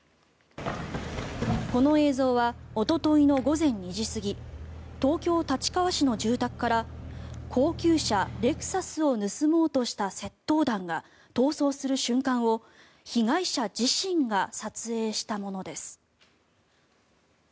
この映像はおとといの午前２時過ぎ東京・立川市の住宅から高級車レクサスを盗もうとした窃盗団が逃走する瞬間を被害者自身が撮影したものです。